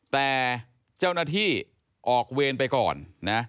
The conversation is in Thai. แต่เจ้าหน้าที่ออกเวรไปก่อนนะ